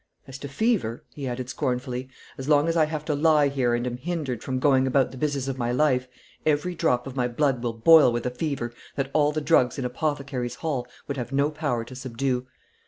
As to fever," he added scornfully, "as long as I have to lie here and am hindered from going about the business of my life, every drop of my blood will boil with a fever that all the drugs in Apothecaries' Hall would have no power to subdue.